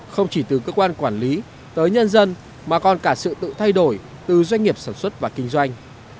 không chỉ từ cơ quan quản lý tới nhân dân mà còn cả sự tự thay đổi từ doanh nghiệp sản xuất và kinh doanh